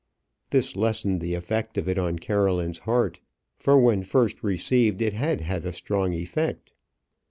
This lessened the effect of it on Caroline's heart; for when first received it had had a strong effect.